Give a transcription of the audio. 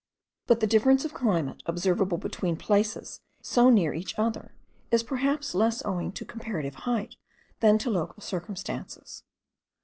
But the difference of climate observable between places so near each other is perhaps less owing to comparative height than to local circumstances.